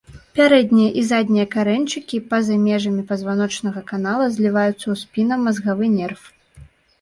Пярэднія і заднія карэньчыкі па-за межамі пазваночнага канала зліваюцца ў спіннамазгавы нерв.